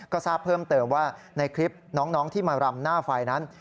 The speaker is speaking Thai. ก็ทราบเพิ่มเติมว่าในคลิปน้องที่มารำหน้าไฟนั้น